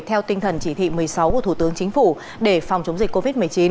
theo tinh thần chỉ thị một mươi sáu của thủ tướng chính phủ để phòng chống dịch covid một mươi chín